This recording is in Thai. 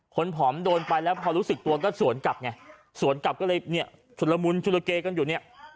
ผอมโดนไปแล้วพอรู้สึกตัวก็สวนกลับไงสวนกลับก็เลยเนี่ยชุดละมุนชุลเกกันอยู่เนี่ย